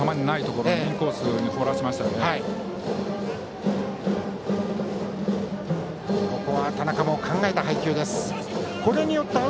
ここは田中も考えた配球です。